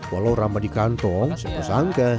walau ramah di kantong siapa sangka